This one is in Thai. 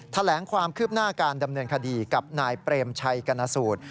แถลงความคืบหน้าการดำเนินคดีกับนายเปรมชัยกรณสูตร